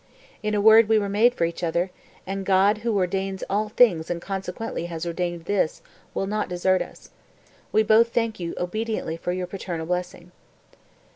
In a word we were made for each other, and God, who ordains all things and consequently has ordained this, will not desert us. We both thank you obediently for your paternal blessing."